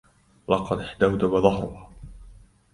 لقد احدودب ضهرها.